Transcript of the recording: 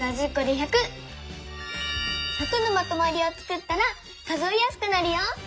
１００のまとまりをつくったら数えやすくなるよ！